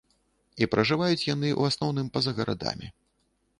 І пражываюць яны, у асноўным, па-за гарадамі.